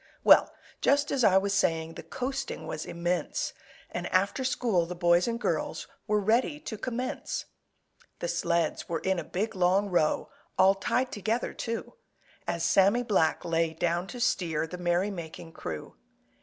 Well, just as I was saying, The coasting was immense, And after school the boys and girls Were ready to commence. The sleds were in a big, long row, All tied together, too, As Sammy Black lay down to steer The merry making crew.